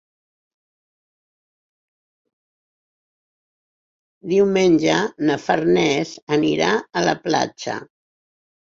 Diumenge na Farners anirà a la platja.